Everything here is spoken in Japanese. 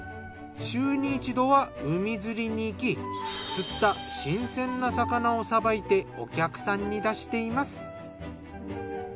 週に１度は海釣りに行き釣った新鮮な魚をさばいてお客さんに出しています。